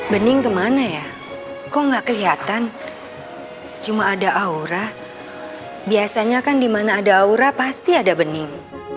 bening kemana ya kok nggak kelihatan cuma ada aura biasanya kan di mana ada aura pasti ada bening